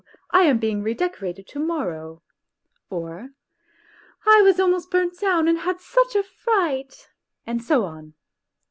I am being redecorated to morrow"; or, "I was almost burnt down and had such a fright," and so on.